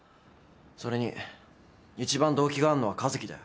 それに一番動機があんのは一樹だよ。